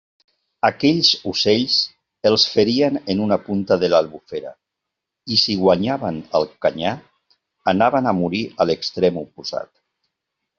Aquells ocells els ferien en una punta de l'Albufera, i si guanyaven el canyar, anaven a morir a l'extrem oposat.